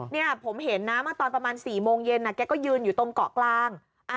เนี่ยผมเห็นนะเมื่อตอนประมาณ๔โมงเย็นแกก็ยืนอยู่ตรงเกาะกลาง